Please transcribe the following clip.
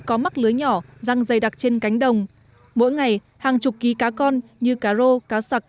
có mắc lưới nhỏ răng dày đặc trên cánh đồng mỗi ngày hàng chục ký cá con như cá rô cá sặc